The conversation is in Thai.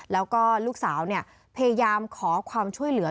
แล้วก็ลูกสาวพยายามขอความช่วยเหลือ